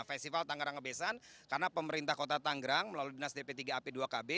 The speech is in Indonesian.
festival tangerang ngebesan karena pemerintah kota tanggerang melalui dinas dp tiga ap dua kb